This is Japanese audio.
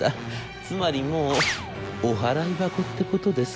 つまりもうお払い箱ってことです』。